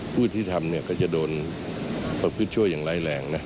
ผู้ที่ทำเนี่ยก็จะโดนประพฤติช่วยอย่างไร้แรงนะ